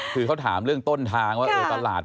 คือเขาถามเรื่องต้นทางว่าเออตลาด